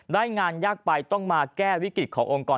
ได้งานยากไปต้องมาแก้วิกฤตขององค์กร